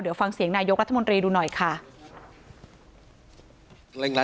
เดี๋ยวฟังเสียงนายกรัฐมนตรีดูหน่อยค่ะ